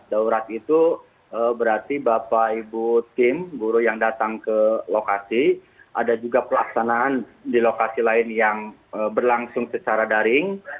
daurat itu berarti bapak ibu tim guru yang datang ke lokasi ada juga pelaksanaan di lokasi lain yang berlangsung secara daring